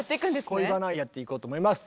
「恋バナ」やっていこうと思います。